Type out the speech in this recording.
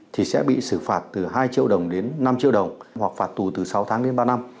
thì sẽ bị xử phạt từ hai triệu đồng đến năm triệu đồng hoặc phạt tù từ sáu tháng đến ba năm